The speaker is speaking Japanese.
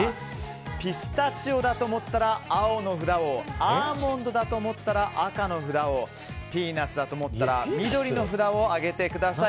ピスタチオだと思ったら青の札をアーモンドだと思ったら赤の札をピーナツだと思ったら緑の札を上げてください。